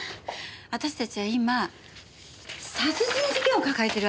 私たちは今殺人事件を抱えてるわけね。